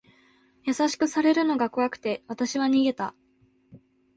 優しくされるのが怖くて、わたしは逃げた。